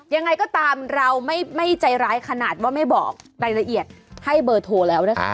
ยังไงก็ตามเราไม่ใจร้ายขนาดว่าไม่บอกรายละเอียดให้เบอร์โทรแล้วนะคะ